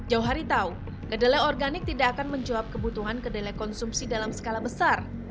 jauh hari tahu kedelai organik tidak akan menjawab kebutuhan kedelai konsumsi dalam skala besar